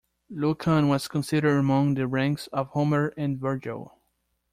Lucan was considered among the ranks of Homer and Virgil.